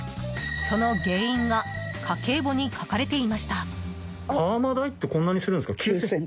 その原因が家計簿に書かれていました。